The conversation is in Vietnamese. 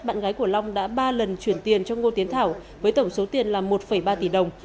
bạn gái của long đã ba lần chuyển tiền cho ngô tiến thảo với tổng số tiền là một ba tỷ đồng